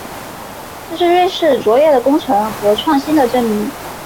这是瑞士卓越的工程和创新的证明。